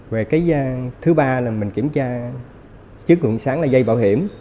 về cái thứ ba là mình kiểm tra trước cuộn sáng là dây bảo hiểm